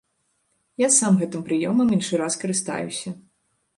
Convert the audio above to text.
Я сам гэтым прыёмам іншы раз карыстаюся.